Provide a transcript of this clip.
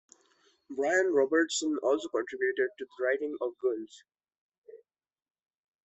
Brian Robertson also contributed to the writing of "Girls".